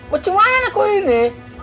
bagaimana aku ini